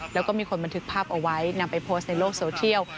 แล้วก็มีคนบันทึกภาพเอาไว้นำไปโพสต์ในโลกโซเทียล